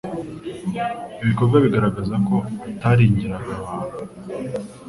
ibokorwai bigaragaza ko ataringiraga abantu